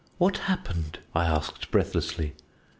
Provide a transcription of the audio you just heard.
"What happened?" I asked breathlessly.